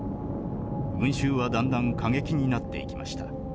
群衆はだんだん過激になっていきました。